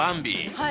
はい。